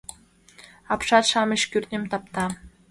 Апшат-шамыч кӱртньым тапта.